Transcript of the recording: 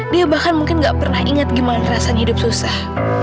dia bahkan mungkin gak pernah ingat gimana rasanya hidup susah